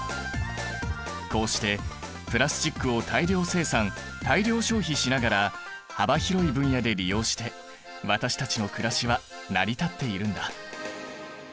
こうしてプラスチックを大量生産大量消費しながら幅広い分野で利用して私たちのくらしは成り立っているんだ。